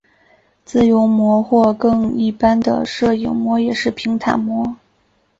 自由模或更一般的射影模也是平坦模。